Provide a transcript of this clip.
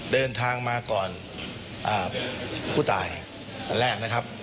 เดินทางมาก่อนผู้ตายอันแรกนะครับ